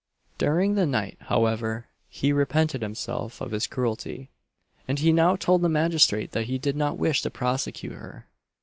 During the night, however, he repented himself of his cruelty; and he now told the magistrate that he did not wish to prosecute her.